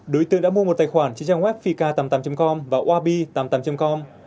đối tượng đã mua một tài khoản trên trang web fik tám mươi tám com và wabi tám mươi tám com